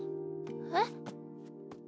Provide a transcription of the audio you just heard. えっ？